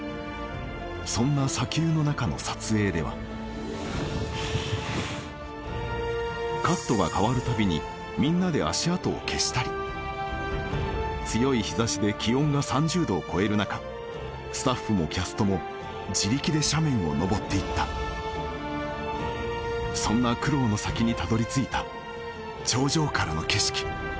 そんな砂丘の中の撮影ではカットが変わるたびにみんなで足跡を消したり強い日差しで気温が３０度を超える中スタッフもキャストも自力で斜面を登っていったそんな苦労の先にたどりついた頂上からの景色